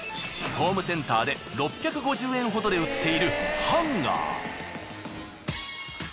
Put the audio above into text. ホームセンターで６５０円ほどで売っているハンガー。